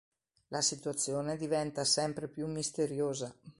La situazione diventa sempre più misteriosa.